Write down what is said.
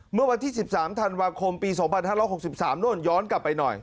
เมื่อวันที่๑๓ธันวาคมปี๒๕๖๓โน่นย้อนกลับไปหน่อย